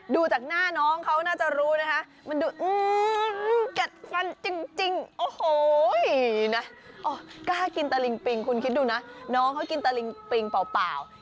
ดูจากหน้าน้องเขาน่าจะรู้นะคะ